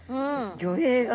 魚影が。